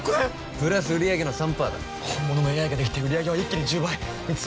プラス売上の３％だ本物のＡＩができて売上は一気に１０倍蜜園